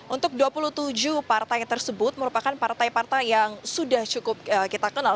untuk dua puluh tujuh partai tersebut merupakan partai partai yang sudah cukup kita kenal